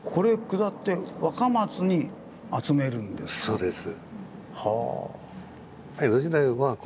そうです。